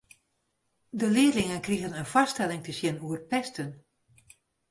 De learlingen krigen in foarstelling te sjen oer pesten.